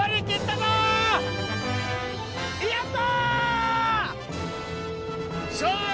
やった！